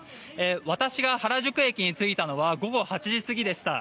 私が原宿駅に着いたのは午後８時過ぎでした。